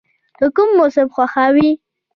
ته کوم موسم خوښوې؟